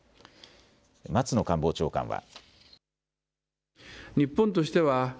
松野官房長官は。